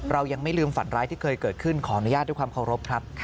เรายังไม่ลืมฝันร้ายที่เคยเกิดขึ้นขออนุญาตด้วยความเคารพครับ